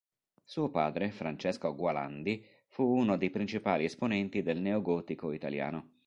Suo padre, Francesco Gualandi, fu uno dei principali esponenti del neogotico italiano.